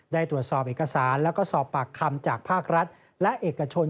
ได้ตรวจสอบเอกสารแล้วก็สอบปากคำจากภาครัฐและเอกชน